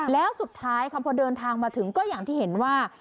แล้วสุดท้ายค่ะพอเดินทางมาถึงก็อย่างที่เห็นว่า